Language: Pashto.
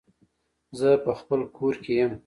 زه په خپل کور کې يم